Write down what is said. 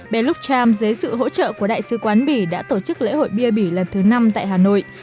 bé luxem dưới sự hỗ trợ của đại sứ quán bỉ đã tổ chức lễ hội bia bỉ lần thứ năm tại hà nội